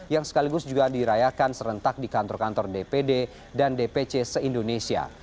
yang sekaligus juga dirayakan serentak di kantor kantor dpd dan dpc se indonesia